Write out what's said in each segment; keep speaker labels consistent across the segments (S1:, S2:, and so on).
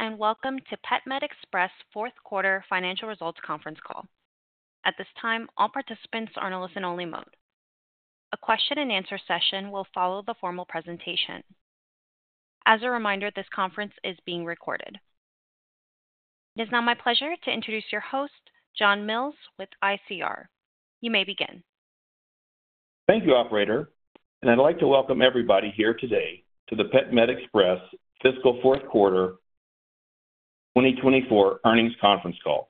S1: Greetings and welcome to PetMed Express Fourth Quarter Financial Results Conference Call. At this time, all participants are in a listen-only mode. A question-and-answer session will follow the formal presentation. As a reminder, this conference is being recorded. It is now my pleasure to introduce your host, John Mills, with ICR. You may begin.
S2: Thank you, Operator. I'd like to welcome everybody here today to the PetMed Express Fiscal Fourth Quarter 2024 Earnings Conference Call.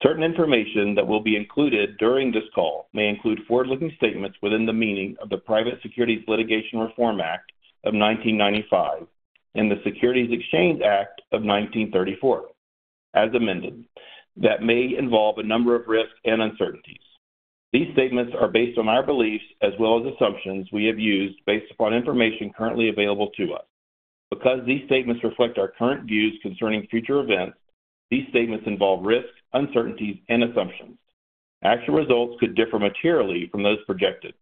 S2: Certain information that will be included during this call may include forward-looking statements within the meaning of the Private Securities Litigation Reform Act of 1995 and the Securities Exchange Act of 1934, as amended, that may involve a number of risks and uncertainties. These statements are based on our beliefs as well as assumptions we have used based upon information currently available to us. Because these statements reflect our current views concerning future events, these statements involve risks, uncertainties, and assumptions. Actual results could differ materially from those projected.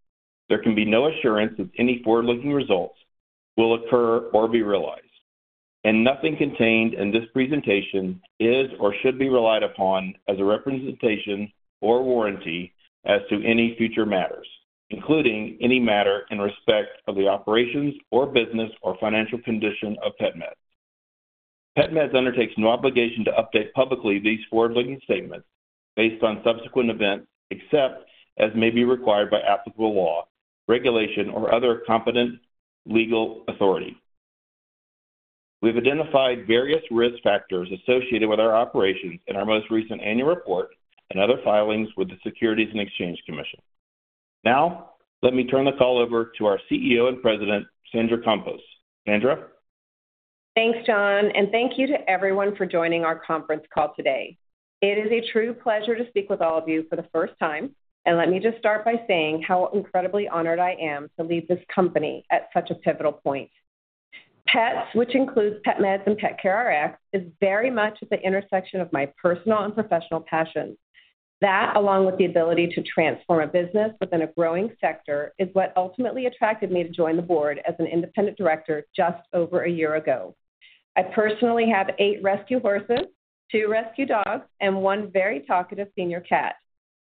S2: There can be no assurance that any forward-looking results will occur or be realized. Nothing contained in this presentation is or should be relied upon as a representation or warranty as to any future matters, including any matter in respect of the operations or business or financial condition of PetMeds. PetMeds undertakes no obligation to update publicly these forward-looking statements based on subsequent events except as may be required by applicable law, regulation, or other competent legal authority. We've identified various risk factors associated with our operations in our most recent annual report and other filings with the Securities and Exchange Commission. Now, let me turn the call over to our CEO and President, Sandra Campos. Sandra?
S3: Thanks, John. Thank you to everyone for joining our conference call today. It is a true pleasure to speak with all of you for the first time. Let me just start by saying how incredibly honored I am to lead this company at such a pivotal point. PetMeds, which includes PetMeds and PetCareRx, is very much at the intersection of my personal and professional passions. That, along with the ability to transform a business within a growing sector, is what ultimately attracted me to join the board as an independent director just over a year ago. I personally have eight rescue horses, two rescue dogs, and one very talkative senior cat.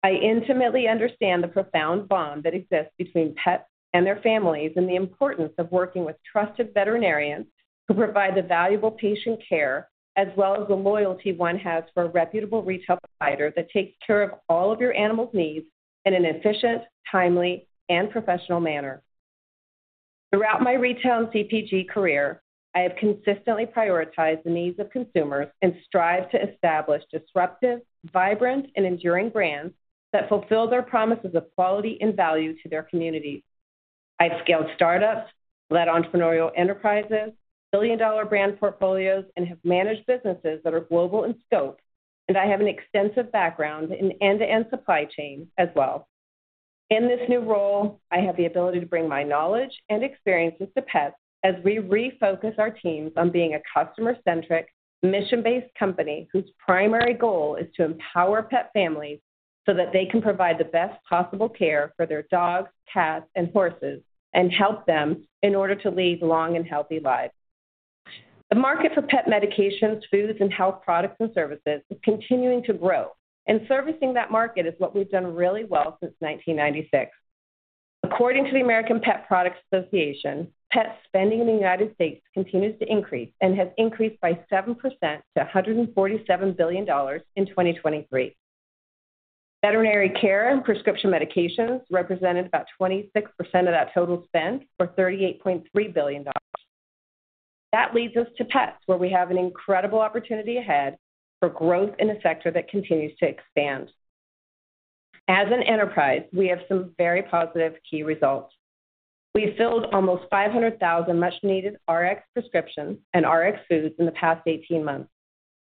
S3: I intimately understand the profound bond that exists between pets and their families and the importance of working with trusted veterinarians who provide the valuable patient care as well as the loyalty one has for a reputable retail provider that takes care of all of your animals' needs in an efficient, timely, and professional manner. Throughout my retail and CPG career, I have consistently prioritized the needs of consumers and strived to establish disruptive, vibrant, and enduring brands that fulfill their promises of quality and value to their communities. I've scaled startups, led entrepreneurial enterprises, billion-dollar brand portfolios, and have managed businesses that are global in scope. And I have an extensive background in end-to-end supply chains as well. In this new role, I have the ability to bring my knowledge and experiences to pets as we refocus our teams on being a customer-centric, mission-based company whose primary goal is to empower pet families so that they can provide the best possible care for their dogs, cats, and horses and help them in order to lead long and healthy lives. The market for pet medications, foods, and health products and services is continuing to grow. Servicing that market is what we've done really well since 1996. According to the American Pet Products Association, pet spending in the United States continues to increase and has increased by 7% to $147 billion in 2023. Veterinary care and prescription medications represented about 26% of that total spend for $38.3 billion. That leads us to pets, where we have an incredible opportunity ahead for growth in a sector that continues to expand. As an enterprise, we have some very positive key results. We've filled almost 500,000 much-needed Rx prescriptions and Rx foods in the past 18 months.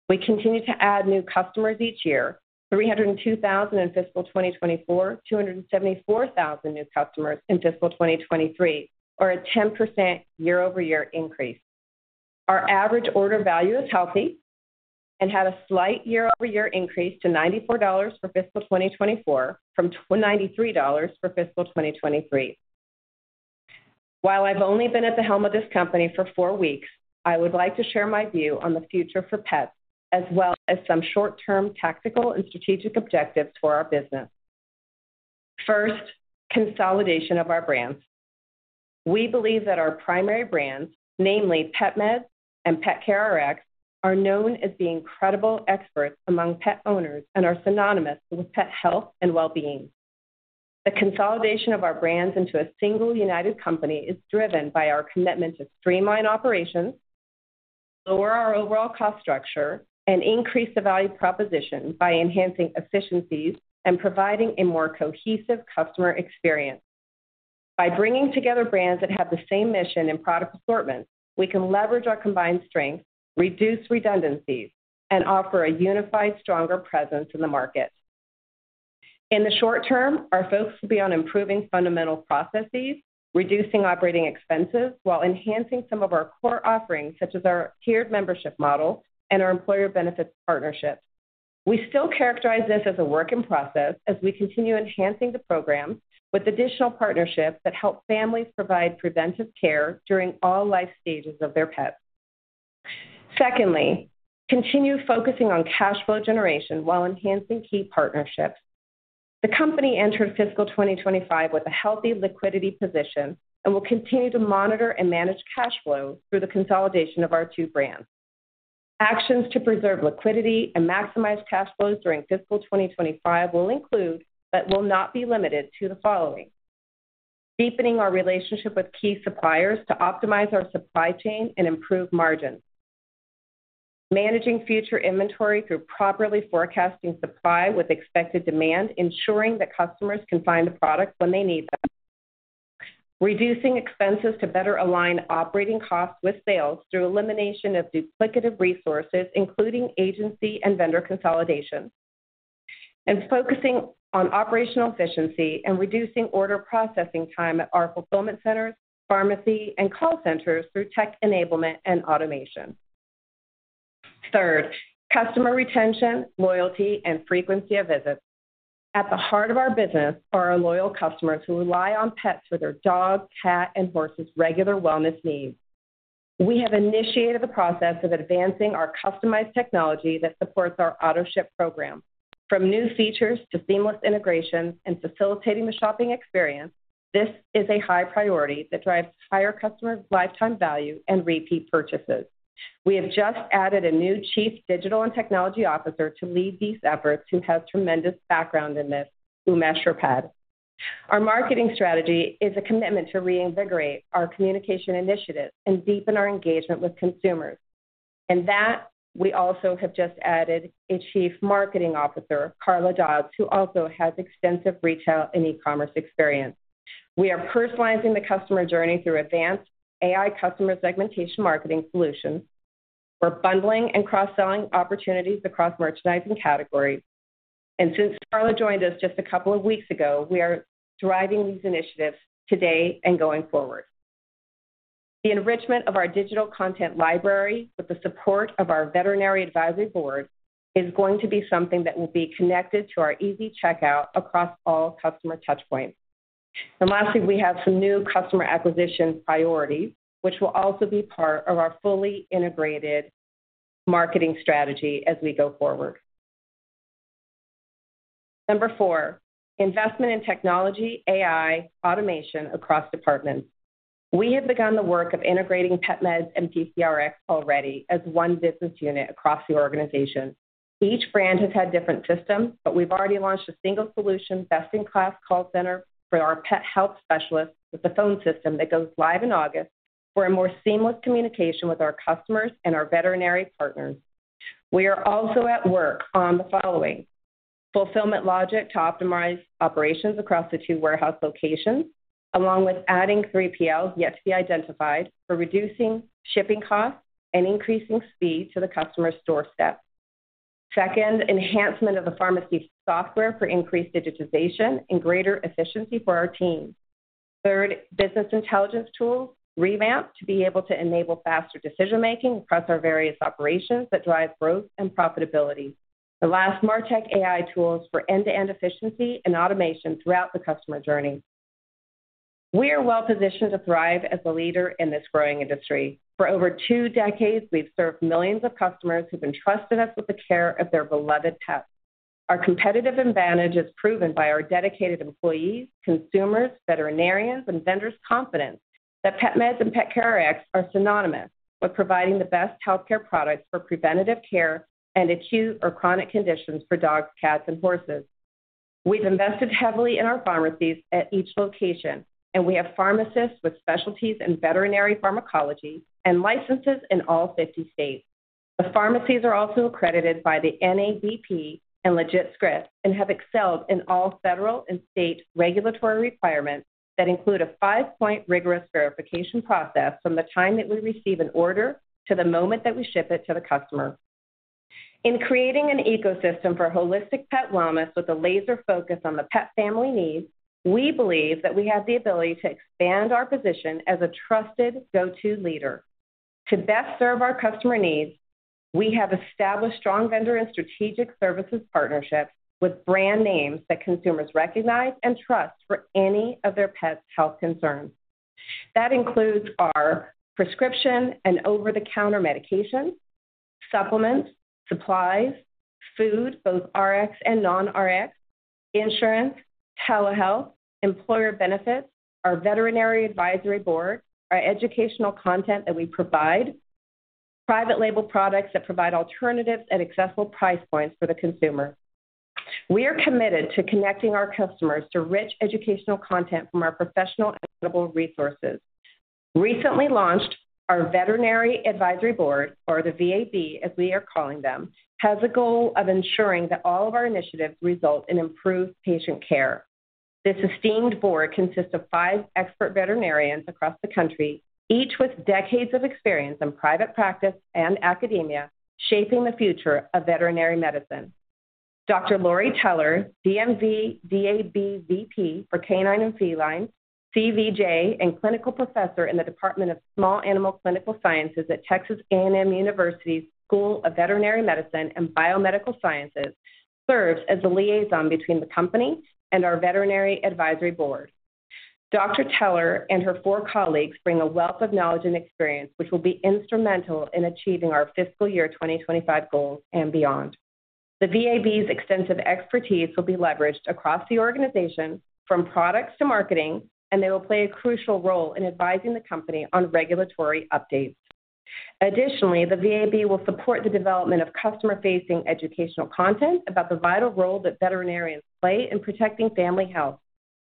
S3: We continue to add new customers each year: 302,000 in fiscal 2024, 274,000 new customers in fiscal 2023, or a 10% year-over-year increase. Our average order value is healthy and had a slight year-over-year increase to $94 for fiscal 2024 from $93 for fiscal 2023. While I've only been at the helm of this company for four weeks, I would like to share my view on the future for pets as well as some short-term tactical and strategic objectives for our business. First, consolidation of our brands. We believe that our primary brands, namely PetMeds and PetCareRx, are known as being credible experts among pet owners and are synonymous with pet health and well-being. The consolidation of our brands into a single united company is driven by our commitment to streamline operations, lower our overall cost structure, and increase the value proposition by enhancing efficiencies and providing a more cohesive customer experience. By bringing together brands that have the same mission and product assortment, we can leverage our combined strengths, reduce redundancies, and offer a unified, stronger presence in the market. In the short term, our focus will be on improving fundamental processes, reducing operating expenses, while enhancing some of our core offerings, such as our tiered membership model and our employer benefits partnerships. We still characterize this as a work in process as we continue enhancing the programs with additional partnerships that help families provide preventive care during all life stages of their pets. Secondly, continue focusing on cash flow generation while enhancing key partnerships. The company entered fiscal 2025 with a healthy liquidity position and will continue to monitor and manage cash flow through the consolidation of our two brands. Actions to preserve liquidity and maximize cash flows during fiscal 2025 will include but will not be limited to the following: deepening our relationship with key suppliers to optimize our supply chain and improve margins. Managing future inventory through properly forecasting supply with expected demand, ensuring that customers can find the products when they need them. Reducing expenses to better align operating costs with sales through elimination of duplicative resources, including agency and vendor consolidation. And focusing on operational efficiency and reducing order processing time at our fulfillment centers, pharmacy, and call centers through tech enablement and automation. Third, customer retention, loyalty, and frequency of visits. At the heart of our business are our loyal customers who rely on pets for their dogs, cats, and horses' regular wellness needs. We have initiated the process of advancing our customized technology that supports our auto-ship program. From new features to seamless integrations and facilitating the shopping experience, this is a high priority that drives higher customer lifetime value and repeat purchases. We have just added a new Chief Digital and Technology Officer to lead these efforts who has tremendous background in this, Umesh Sripad. Our marketing strategy is a commitment to reinvigorate our communication initiatives and deepen our engagement with consumers. And that, we also have just added a Chief Marketing Officer, Carla Dodds, who also has extensive retail and e-commerce experience. We are personalizing the customer journey through advanced AI customer segmentation marketing solutions. We're bundling and cross-selling opportunities across merchandising categories. And since Carla joined us just a couple of weeks ago, we are driving these initiatives today and going forward. The enrichment of our digital content library with the support of our Veterinary Advisory Board is going to be something that will be connected to our easy checkout across all customer touchpoints. And lastly, we have some new customer acquisition priorities, which will also be part of our fully integrated marketing strategy as we go forward. Number four, investment in technology, AI, automation across departments. We have begun the work of integrating PetMeds and PCRX already as one business unit across the organization. Each brand has had different systems, but we've already launched a single solution, best-in-class call center for our pet health specialists with a phone system that goes live in August for a more seamless communication with our customers and our veterinary partners. We are also at work on the following: fulfillment logic to optimize operations across the two warehouse locations, along with adding three 3PLs yet to be identified for reducing shipping costs and increasing speed to the customer's doorstep. Second, enhancement of the pharmacy software for increased digitization and greater efficiency for our team. Third, business intelligence tools, revamped to be able to enable faster decision-making across our various operations that drive growth and profitability. The last, MarTech AI tools for end-to-end efficiency and automation throughout the customer journey. We are well-positioned to thrive as a leader in this growing industry. For over two decades, we've served millions of customers who've entrusted us with the care of their beloved pets. Our competitive advantage is proven by our dedicated employees, consumers, veterinarians, and vendors' confidence that PetMeds and PetCareRx are synonymous with providing the best healthcare products for preventative care and acute or chronic conditions for dogs, cats, and horses. We've invested heavily in our pharmacies at each location, and we have pharmacists with specialties in veterinary pharmacology and licenses in all 50 states. The pharmacies are also accredited by the NABP and LegitScript and have excelled in all federal and state regulatory requirements that include a five-point rigorous verification process from the time that we receive an order to the moment that we ship it to the customer. In creating an ecosystem for holistic pet wellness with a laser focus on the pet family needs, we believe that we have the ability to expand our position as a trusted go-to leader. To best serve our customer needs, we have established strong vendor and strategic services partnerships with brand names that consumers recognize and trust for any of their pets' health concerns. That includes our prescription and over-the-counter medications, supplements, supplies, food, both Rx and non-Rx, insurance, telehealth, employer benefits, our Veterinary Advisory Board, our educational content that we provide, private label products that provide alternatives at accessible price points for the consumer. We are committed to connecting our customers to rich educational content from our professional and credible resources. Recently launched, our Veterinary Advisory Board, or the VAB, as we are calling them, has the goal of ensuring that all of our initiatives result in improved patient care. This esteemed board consists of five expert veterinarians across the country, each with decades of experience in private practice and academia shaping the future of veterinary medicine. Dr. Lori Teller, DVM, DABVP for Canine and Feline, CVJ, and clinical professor in the Department of Small Animal Clinical Sciences at Texas A&M University's School of Veterinary Medicine and Biomedical Sciences, serves as the liaison between the company and our Veterinary Advisory Board. Dr. Teller and her four colleagues bring a wealth of knowledge and experience, which will be instrumental in achieving our fiscal year 2025 goals and beyond. The VAB's extensive expertise will be leveraged across the organization from products to marketing, and they will play a crucial role in advising the company on regulatory updates. Additionally, the VAB will support the development of customer-facing educational content about the vital role that veterinarians play in protecting family health.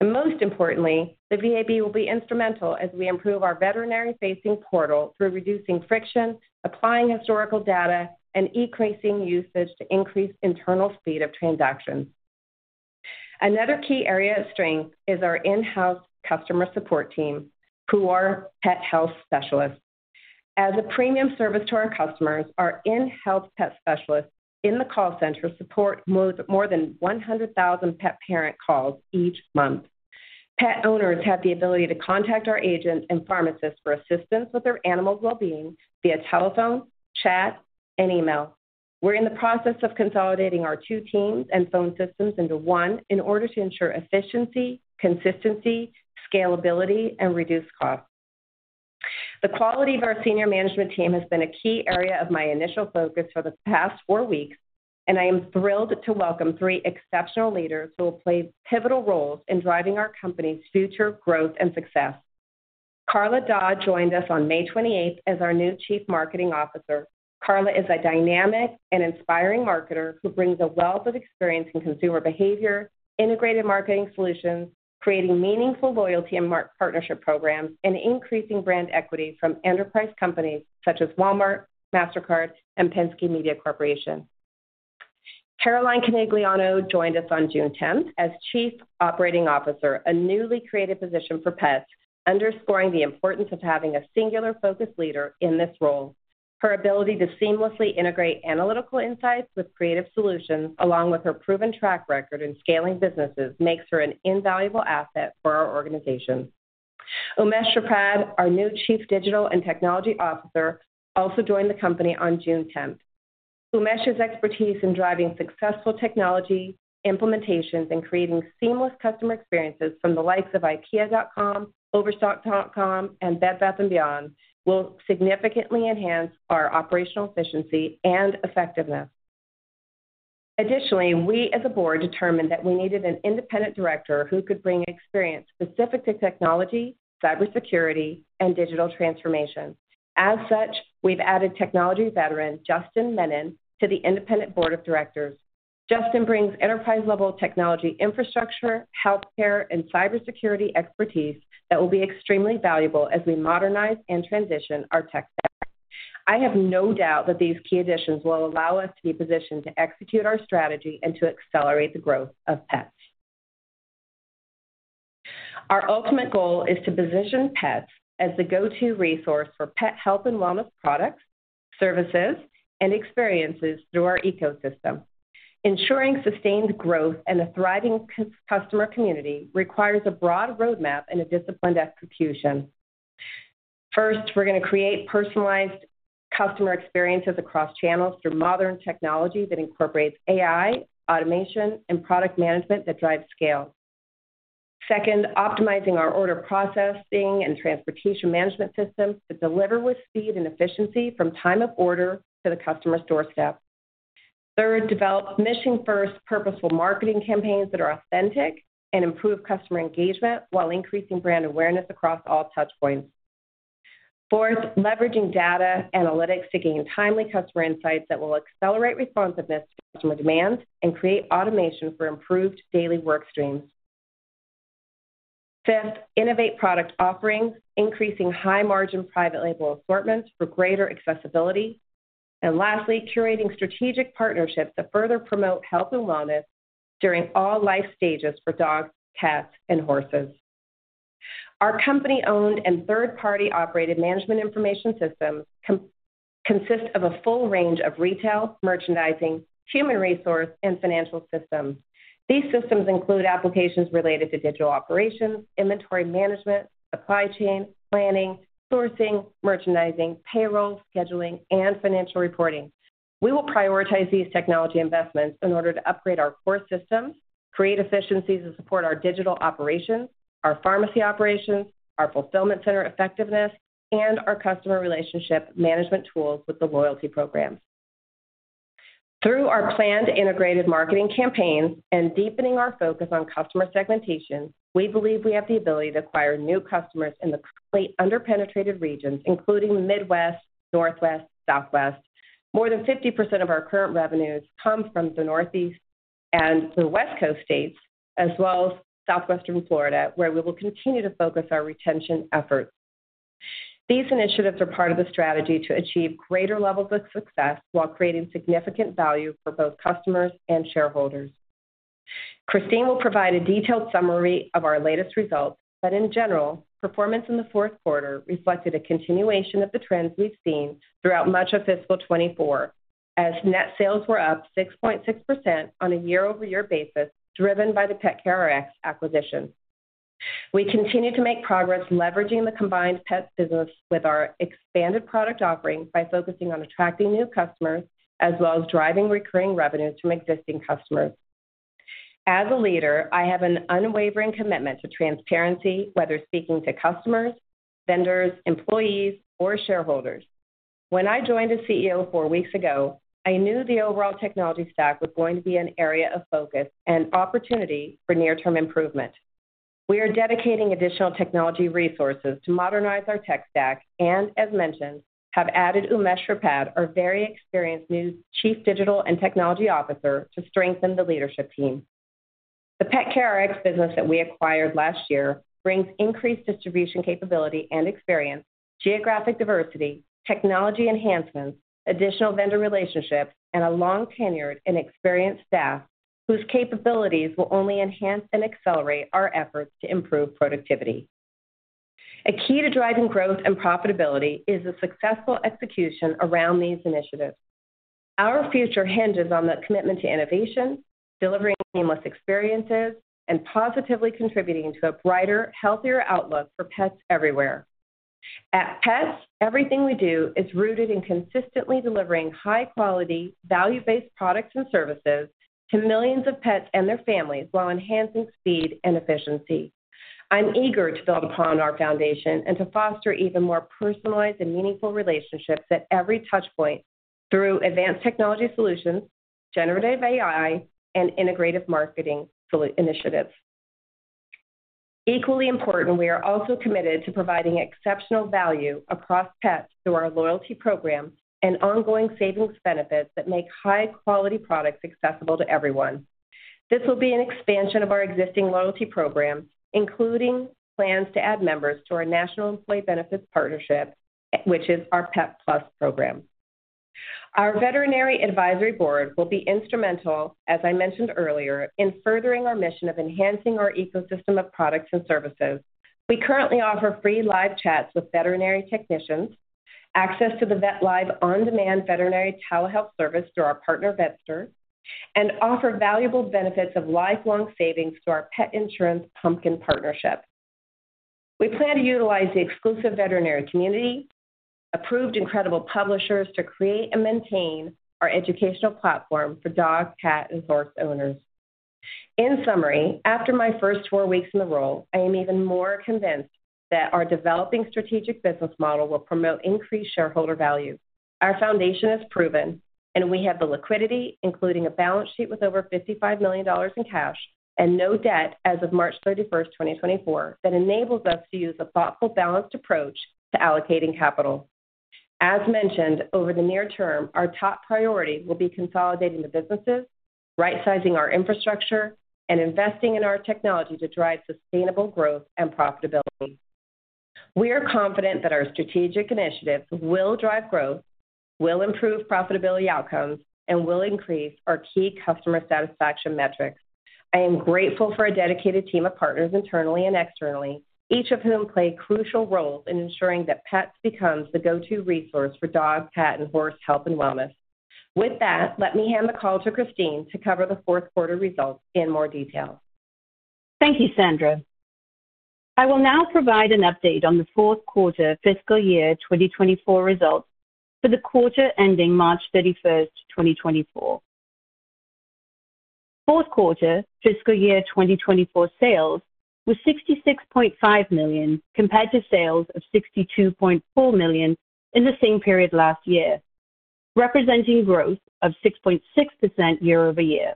S3: Most importantly, the VAB will be instrumental as we improve our veterinary-facing portal through reducing friction, applying historical data, and increasing usage to increase internal speed of transactions. Another key area of strength is our in-house customer support team, who are pet health specialists. As a premium service to our customers, our in-house pet specialists in the call center support more than 100,000 pet parent calls each month. Pet owners have the ability to contact our agents and pharmacists for assistance with their animal's well-being via telephone, chat, and email. We're in the process of consolidating our two teams and phone systems into one in order to ensure efficiency, consistency, scalability, and reduced costs. The quality of our senior management team has been a key area of my initial focus for the past four weeks, and I am thrilled to welcome three exceptional leaders who will play pivotal roles in driving our company's future growth and success. Carla Dodds joined us on May 28th as our new Chief Marketing Officer. Carla is a dynamic and inspiring marketer who brings a wealth of experience in consumer behavior, integrated marketing solutions, creating meaningful loyalty and partnership programs, and increasing brand equity from enterprise companies such as Walmart, Mastercard, and Penske Media Corporation. Caroline Conegliano joined us on June 10th as Chief Operating Officer, a newly created position for pets, underscoring the importance of having a singular focus leader in this role. Her ability to seamlessly integrate analytical insights with creative solutions, along with her proven track record in scaling businesses, makes her an invaluable asset for our organization. Umesh Sripad, our new Chief Digital and Technology Officer, also joined the company on June 10th. Umesh's expertise in driving successful technology implementations and creating seamless customer experiences from the likes of IKEA.com, Overstock.com, and Bed Bath & Beyond will significantly enhance our operational efficiency and effectiveness. Additionally, we as a board determined that we needed an independent director who could bring experience specific to technology, cybersecurity, and digital transformation. As such, we've added technology veteran Justin Mennen to the independent board of directors. Justin brings enterprise-level technology infrastructure, healthcare, and cybersecurity expertise that will be extremely valuable as we modernize and transition our tech stack. I have no doubt that these key additions will allow us to be positioned to execute our strategy and to accelerate the growth of PetMeds. Our ultimate goal is to position PetMeds as the go-to resource for pet health and wellness products, services, and experiences through our ecosystem. Ensuring sustained growth and a thriving customer community requires a broad roadmap and a disciplined execution. First, we're going to create personalized customer experiences across channels through modern technology that incorporates AI, automation, and product management that drives scale. Second, optimizing our order processing and transportation management systems to deliver with speed and efficiency from time of order to the customer's doorstep. Third, develop mission-first, purposeful marketing campaigns that are authentic and improve customer engagement while increasing brand awareness across all touchpoints. Fourth, leveraging data analytics to gain timely customer insights that will accelerate responsiveness to customer demands and create automation for improved daily work streams. Fifth, innovate product offerings, increasing high-margin private label assortments for greater accessibility. And lastly, curating strategic partnerships to further promote health and wellness during all life stages for dogs, cats, and horses. Our company-owned and third-party operated management information systems consist of a full range of retail, merchandising, human resource, and financial systems. These systems include applications related to digital operations, inventory management, supply chain, planning, sourcing, merchandising, payroll, scheduling, and financial reporting. We will prioritize these technology investments in order to upgrade our core systems, create efficiencies to support our digital operations, our pharmacy operations, our fulfillment center effectiveness, and our customer relationship management tools with the loyalty programs. Through our planned integrated marketing campaigns and deepening our focus on customer segmentation, we believe we have the ability to acquire new customers in the currently under-penetrated regions, including Midwest, Northwest, and Southwest. More than 50% of our current revenues come from the Northeast and the West Coast states, as well as Southwestern Florida, where we will continue to focus our retention efforts. These initiatives are part of the strategy to achieve greater levels of success while creating significant value for both customers and shareholders. Christine will provide a detailed summary of our latest results, but in general, performance in the fourth quarter reflected a continuation of the trends we've seen throughout much of fiscal 2024, as net sales were up 6.6% on a year-over-year basis, driven by the PetCareRx acquisition. We continue to make progress leveraging the combined pet business with our expanded product offering by focusing on attracting new customers, as well as driving recurring revenues from existing customers. As a leader, I have an unwavering commitment to transparency, whether speaking to customers, vendors, employees, or shareholders. When I joined as CEO four weeks ago, I knew the overall technology stack was going to be an area of focus and opportunity for near-term improvement. We are dedicating additional technology resources to modernize our tech stack and, as mentioned, have added Umesh Sripad, our very experienced new Chief Digital and Technology Officer, to strengthen the leadership team. The PetCareRx business that we acquired last year brings increased distribution capability and experience, geographic diversity, technology enhancements, additional vendor relationships, and a long tenure in experienced staff whose capabilities will only enhance and accelerate our efforts to improve productivity. A key to driving growth and profitability is the successful execution around these initiatives. Our future hinges on the commitment to innovation, delivering seamless experiences, and positively contributing to a brighter, healthier outlook for pets everywhere. At PetMeds, everything we do is rooted in consistently delivering high-quality, value-based products and services to millions of pets and their families while enhancing speed and efficiency. I'm eager to build upon our foundation and to foster even more personalized and meaningful relationships at every touchpoint through advanced technology solutions, generative AI, and integrative marketing initiatives. Equally important, we are also committed to providing exceptional value across pets through our loyalty program and ongoing savings benefits that make high-quality products accessible to everyone. This will be an expansion of our existing loyalty program, including plans to add members to our National Employee Benefits Partnership, which is our PetPlus program. Our Veterinary Advisory Board will be instrumental, as I mentioned earlier, in furthering our mission of enhancing our ecosystem of products and services. We currently offer free live chats with veterinary technicians, access to the VetLive on-demand veterinary telehealth service through our partner Vetster, and offer valuable benefits of lifelong savings through our pet insurance Pumpkin partnership. We plan to utilize the exclusive veterinary community, approved incredible publishers to create and maintain our educational platform for dog, cat, and horse owners. In summary, after my first four weeks in the role, I am even more convinced that our developing strategic business model will promote increased shareholder value. Our foundation is proven, and we have the liquidity, including a balance sheet with over $55 million in cash and no debt as of March 31st, 2024, that enables us to use a thoughtful balanced approach to allocating capital. As mentioned, over the near term, our top priority will be consolidating the businesses, right-sizing our infrastructure, and investing in our technology to drive sustainable growth and profitability. We are confident that our strategic initiatives will drive growth, will improve profitability outcomes, and will increase our key customer satisfaction metrics. I am grateful for a dedicated team of partners internally and externally, each of whom play crucial roles in ensuring that pets become the go-to resource for dog, cat, and horse health and wellness. With that, let me hand the call to Christine to cover the fourth quarter results in more detail.
S4: Thank you, Sandra. I will now provide an update on the fourth quarter fiscal year 2024 results for the quarter ending March 31st, 2024. Fourth quarter fiscal year 2024 sales were $66.5 million compared to sales of $62.4 million in the same period last year, representing growth of 6.6% year-over-year.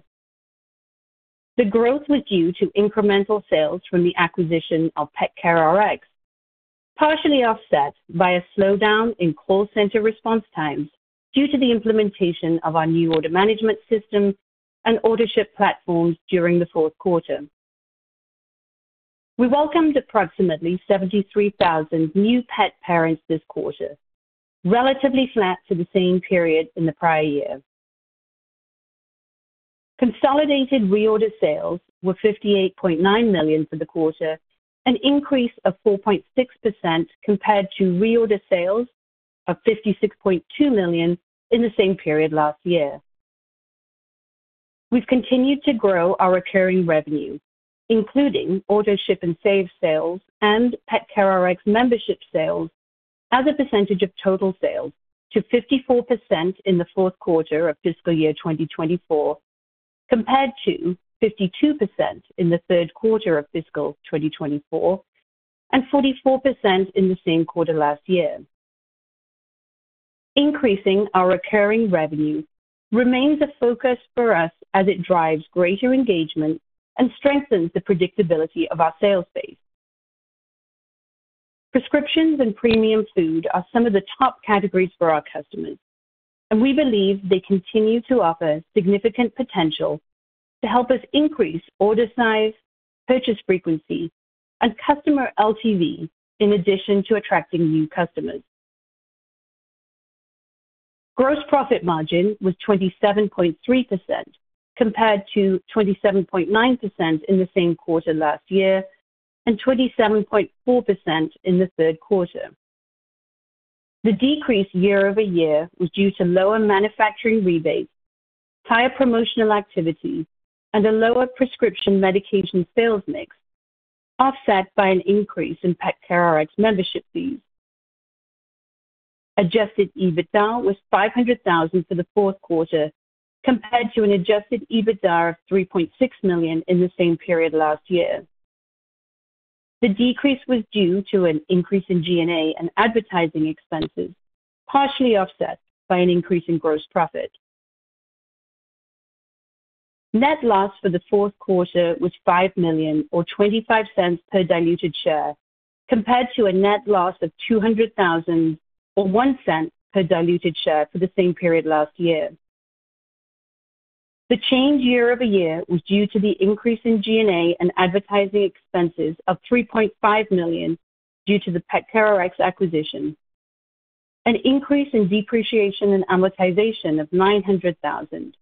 S4: The growth was due to incremental sales from the acquisition of PetCareRx, partially offset by a slowdown in call center response times due to the implementation of our new order management system and order ship platforms during the fourth quarter. We welcomed approximately 73,000 new pet parents this quarter, relatively flat to the same period in the prior year. Consolidated reorder sales were $58.9 million for the quarter, an increase of 4.6% compared to reorder sales of $56.2 million in the same period last year. We've continued to grow our recurring revenue, including order ship and save sales and PetCareRx membership sales as a percentage of total sales to 54% in the fourth quarter of fiscal year 2024, compared to 52% in the third quarter of fiscal 2024 and 44% in the same quarter last year. Increasing our recurring revenue remains a focus for us as it drives greater engagement and strengthens the predictability of our sales base. Prescriptions and premium food are some of the top categories for our customers, and we believe they continue to offer significant potential to help us increase order size, purchase frequency, and customer LTV in addition to attracting new customers. Gross profit margin was 27.3% compared to 27.9% in the same quarter last year and 27.4% in the third quarter. The decrease year over year was due to lower manufacturing rebates, higher promotional activity, and a lower prescription medication sales mix, offset by an increase in PetCareRx membership fees. Adjusted EBITDA was $500,000 for the fourth quarter compared to an adjusted EBITDA of $3.6 million in the same period last year. The decrease was due to an increase in G&A and advertising expenses, partially offset by an increase in gross profit. Net loss for the fourth quarter was $5 million, or $0.25 per diluted share, compared to a net loss of $200,000, or $0.01 per diluted share for the same period last year. The change year over year was due to the increase in G&A and advertising expenses of $3.5 million due to the PetCareRx acquisition, an increase in depreciation and amortization of $900,000,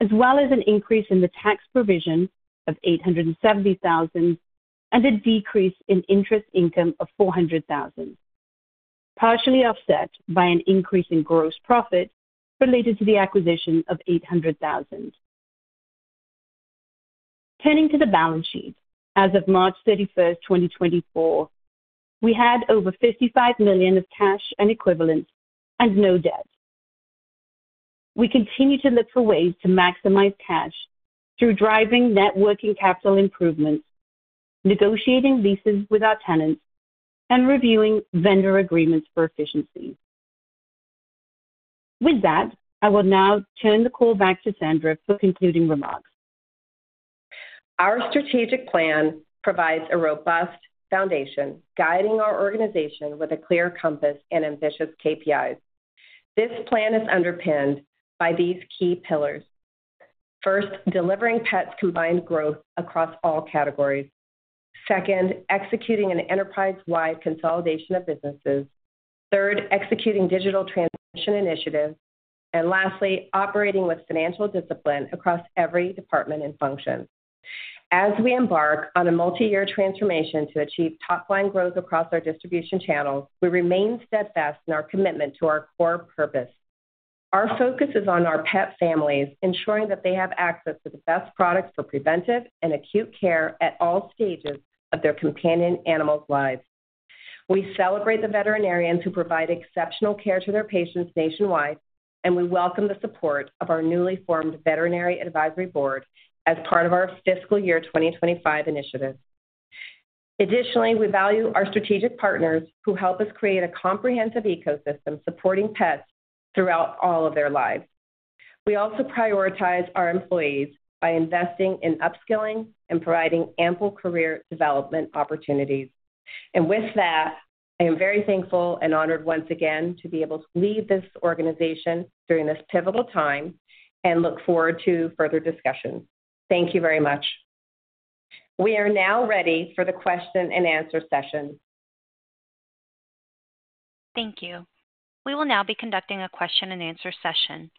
S4: as well as an increase in the tax provision of $870,000 and a decrease in interest income of $400,000, partially offset by an increase in gross profit related to the acquisition of $800,000. Turning to the balance sheet, as of March 31st, 2024, we had over $55 million of cash and equivalents and no debt. We continue to look for ways to maximize cash through driving working capital improvements, negotiating leases with our tenants, and reviewing vendor agreements for efficiency. With that, I will now turn the call back to Sandra for concluding remarks.
S3: Our strategic plan provides a robust foundation guiding our organization with a clear compass and ambitious KPIs. This plan is underpinned by these key pillars. First, delivering pets combined growth across all categories. Second, executing an enterprise-wide consolidation of businesses. Third, executing digital transition initiatives. And lastly, operating with financial discipline across every department and function. As we embark on a multi-year transformation to achieve top-line growth across our distribution channels, we remain steadfast in our commitment to our core purpose. Our focus is on our pet families, ensuring that they have access to the best products for preventive and acute care at all stages of their companion animals' lives. We celebrate the veterinarians who provide exceptional care to their patients nationwide, and we welcome the support of our newly formed Veterinary Advisory Board as part of our fiscal year 2025 initiative. Additionally, we value our strategic partners who help us create a comprehensive ecosystem supporting pets throughout all of their lives. We also prioritize our employees by investing in upskilling and providing ample career development opportunities. And with that, I am very thankful and honored once again to be able to lead this organization during this pivotal time and look forward to further discussions. Thank you very much. We are now ready for the question and answer session.
S1: Thank you. We will now be conducting a question and answer session.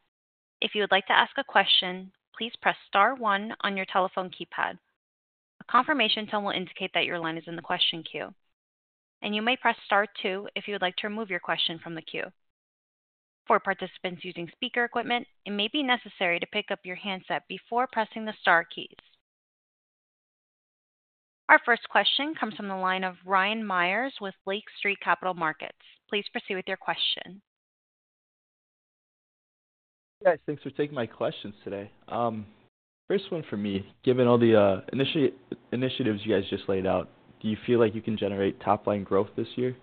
S1: If you would like to ask a question, please press Star one on your telephone keypad. A confirmation tone will indicate that your line is in the question queue, and you may press Star two if you would like to remove your question from the queue. For participants using speaker equipment, it may be necessary to pick up your handset before pressing the Star keys. Our first question comes from the line of Ryan Myers with Lake Street Capital Markets. Please proceed with your question.
S5: Hey, guys. Thanks for taking my questions today. First one for me. Given all the initiatives you guys just laid out, do you feel like you can generate top-line growth this year?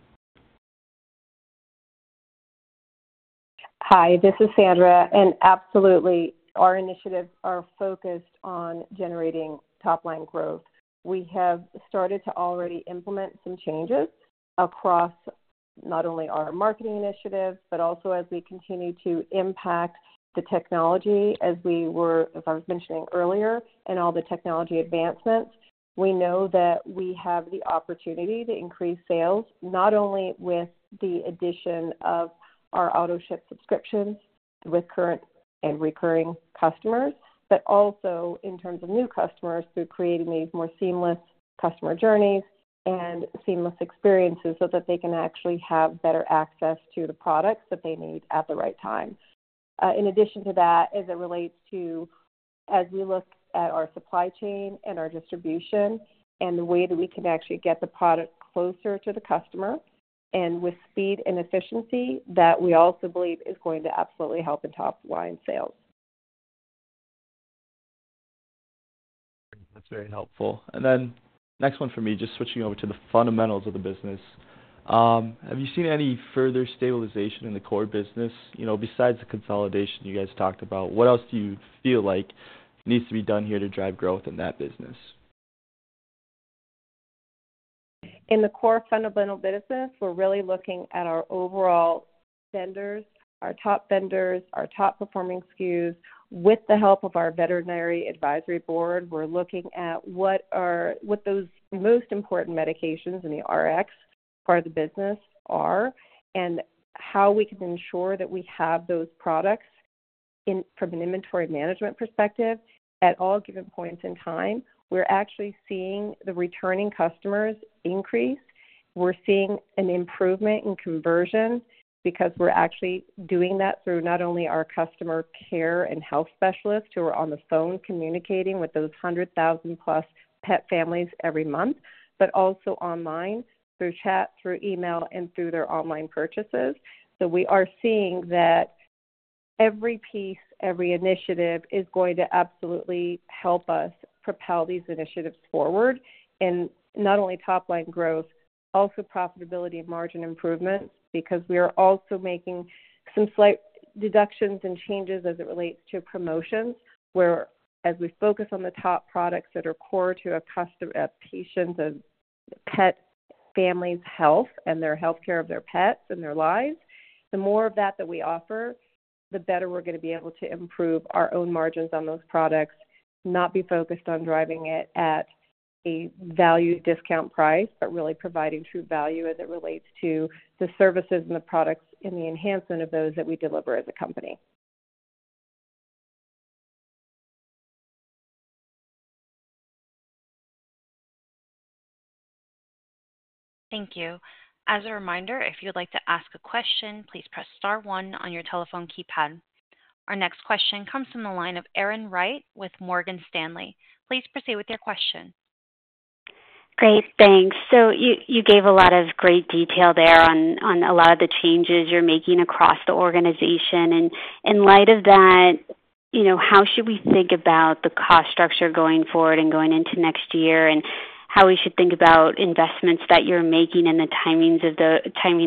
S3: Hi, this is Sandra. Absolutely, our initiatives are focused on generating top-line growth. We have started to already implement some changes across not only our marketing initiatives, but also as we continue to impact the technology, as I was mentioning earlier, and all the technology advancements. We know that we have the opportunity to increase sales, not only with the addition of our auto ship subscriptions with current and recurring customers, but also in terms of new customers through creating these more seamless customer journeys and seamless experiences so that they can actually have better access to the products that they need at the right time. In addition to that, as it relates to we look at our supply chain and our distribution and the way that we can actually get the product closer to the customer and with speed and efficiency that we also believe is going to absolutely help in top-line sales.
S5: That's very helpful. And then next one for me, just switching over to the fundamentals of the business. Have you seen any further stabilization in the core business besides the consolidation you guys talked about? What else do you feel like needs to be done here to drive growth in that business?
S3: In the core fundamental business, we're really looking at our overall vendors, our top vendors, our top performing SKUs. With the help of our Veterinary Advisory Board, we're looking at what those most important medications in the Rx part of the business are and how we can ensure that we have those products from an inventory management perspective at all given points in time. We're actually seeing the returning customers increase. We're seeing an improvement in conversion because we're actually doing that through not only our customer care and health specialists who are on the phone communicating with those 100,000-plus pet families every month, but also online through chat, through email, and through their online purchases. We are seeing that every piece, every initiative is going to absolutely help us propel these initiatives forward in not only top-line growth but also profitability and margin improvements because we are also making some slight deductions and changes as it relates to promotions where, as we focus on the top products that are core to a patient's and pet family's health and their healthcare of their pets and their lives, the more of that that we offer, the better we're going to be able to improve our own margins on those products, not be focused on driving it at a value discount price, but really providing true value as it relates to the services and the products and the enhancement of those that we deliver as a company.
S1: Thank you. As a reminder, if you'd like to ask a question, please press Star one on your telephone keypad. Our next question comes from the line of Erin Wright with Morgan Stanley. Please proceed with your question.
S6: Great. Thanks. So you gave a lot of great detail there on a lot of the changes you're making across the organization. And in light of that, how should we think about the cost structure going forward and going into next year and how we should think about investments that you're making and the timing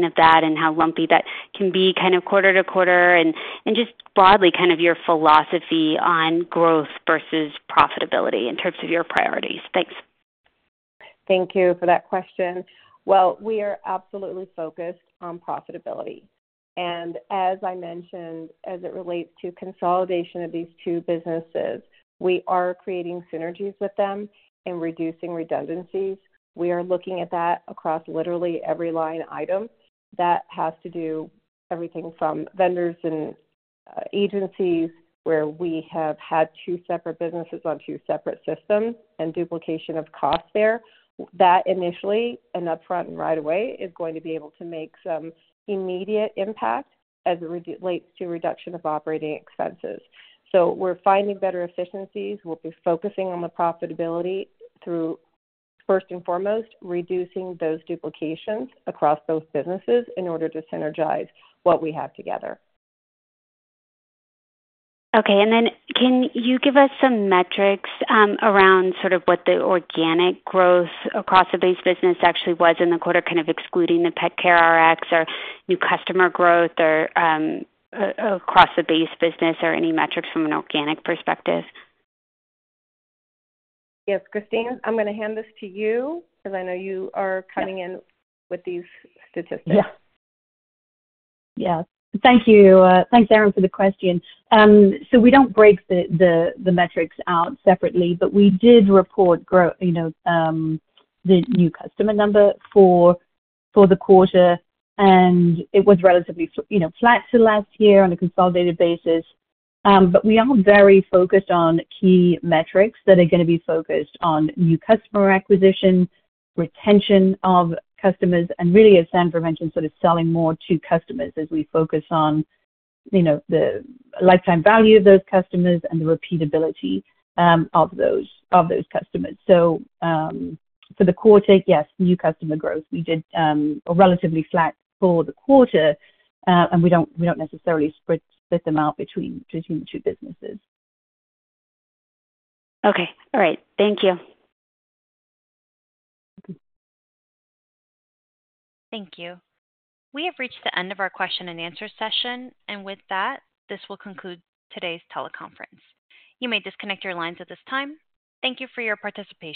S6: of that and how lumpy that can be kind of quarter to quarter and just broadly kind of your philosophy on growth versus profitability in terms of your priorities? Thanks.
S3: Thank you for that question. Well, we are absolutely focused on profitability. And as I mentioned, as it relates to consolidation of these two businesses, we are creating synergies with them and reducing redundancies. We are looking at that across literally every line item that has to do everything from vendors and agencies where we have had two separate businesses on two separate systems and duplication of costs there. That initially and upfront and right away is going to be able to make some immediate impact as it relates to reduction of operating expenses. So we're finding better efficiencies. We'll be focusing on the profitability through, first and foremost, reducing those duplications across both businesses in order to synergize what we have together.
S6: Okay. And then can you give us some metrics around sort of what the organic growth across the base business actually was in the quarter kind of excluding the PetCareRx or new customer growth or across the base business or any metrics from an organic perspective?
S3: Yes, Christine, I'm going to hand this to you because I know you are coming in with these statistics.
S4: Yeah. Yeah. Thank you. Thanks, Erin, for the question. So we don't break the metrics out separately, but we did report the new customer number for the quarter, and it was relatively flat to last year on a consolidated basis. But we are very focused on key metrics that are going to be focused on new customer acquisition, retention of customers, and really, as Sandra mentioned, sort of selling more to customers as we focus on the lifetime value of those customers and the repeatability of those customers. So for the quarter, yes, new customer growth. We did a relatively flat for the quarter, and we don't necessarily split them out between the two businesses.
S6: Okay. All right. Thank you.
S4: Thank you.
S1: We have reached the end of our question and answer session. With that, this will conclude today's teleconference. You may disconnect your lines at this time. Thank you for your participation.